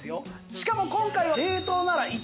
しかも今回は。